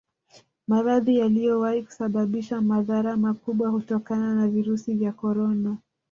Maradhi yaliyowahi kusababisha madhara makubwa kutokana na virusi vya Corona